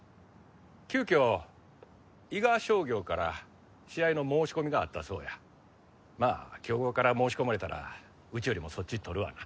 急きょ伊賀商業から試合の申し込みがあったそうやまあ強豪から申し込まれたらうちよりもそっち取るわな